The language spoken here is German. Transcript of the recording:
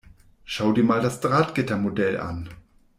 Schau dir mal das Drahtgittermodell an.